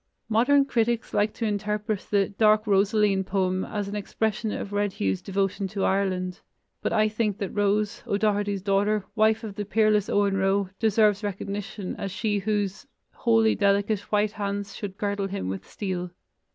Modern critics like to interpret the "Dark Rosaleen" poem as an expression of Red Hugh's devotion to Ireland, but I think that Rose, O'Doherty's daughter, wife of the peerless Owen Roe, deserves recognition as she whose "Holy delicate white hands should girdle him with steel."